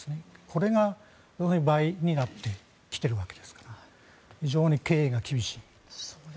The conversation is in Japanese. これが倍になってきているわけですから非常に経営が厳しい。